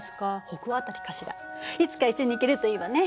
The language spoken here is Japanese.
いつか一緒に行けるといいわね。